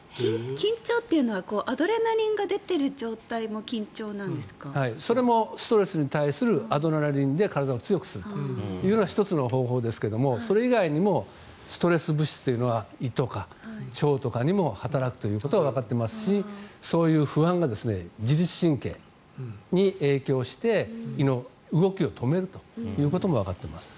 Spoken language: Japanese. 緊張というのはアドレナリンが出ている状態もそれもストレスに対するアドレナリンで体を強くするという１つの方法ですけどそれ以外にもストレス物質というのは胃とか腸とかにも働くということがわかっていますしそういう不安が自律神経に影響して胃の動きを止めるということもわかっています。